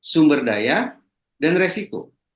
sumber daya dan resiko